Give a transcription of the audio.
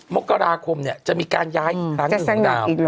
มกราคมเนี่ยจะมีการย้ายหลังหนึ่งดาว